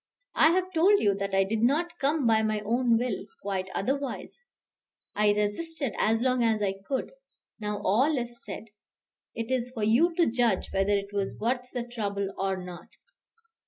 "I have told you that I did not come by my own will, quite otherwise. I resisted as long as I could: now all is said. It is for you to judge whether it was worth the trouble or not."